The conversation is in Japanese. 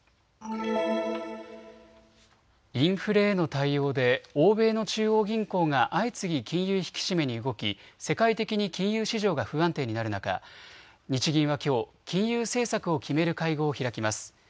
インフレへの対応で欧米の中央銀行が相次ぎ金融引き締めに動き世界的に金融市場が不安定になる中、日銀はきょう金融政策を決める会合を開きます。